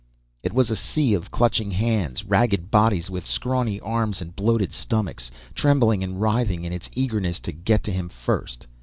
It was a sea of clutching hands, ragged bodies with scrawny arms and bloated stomachs, trembling and writhing in its eagerness to get to him first.